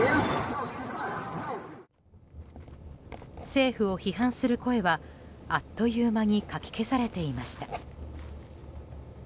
政府を批判する声はあっという間にかき消されていました。